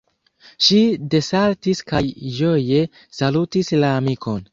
Ŝi desaltis kaj ĝoje salutis la amikon: